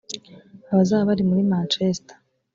abazaba bari muri Manchester